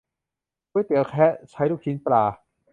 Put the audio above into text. ก๋วยเตี๋ยวแคะ ใช้ลูกชิ้นปลา